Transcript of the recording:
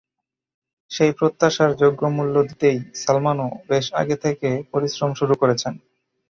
সেই প্রত্যাশার যোগ্য মূল্য দিতেই সালমানও বেশ আগে থেকে পরিশ্রম শুরু করেছেন।